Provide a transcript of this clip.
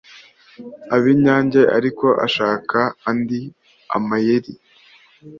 ab’inyange ariko ashaka andi amayeri